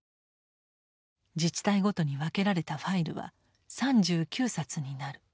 自治体ごとに分けられたファイルは３９冊になる。